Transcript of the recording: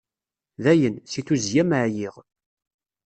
Dayen, si tuzzya-m ɛyiɣ.